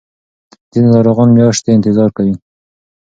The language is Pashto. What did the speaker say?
ځینې ناروغان میاشتې انتظار کوي.